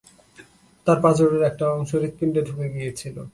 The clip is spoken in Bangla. তার পাজরের একটা অংশ হৃৎপিন্ডে ঢুকে গিয়েছিল।